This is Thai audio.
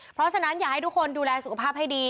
เพราะฉะนั้นอยากให้ทุกคนดูแลสุขภาพให้ดี